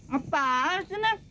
apaan sih ne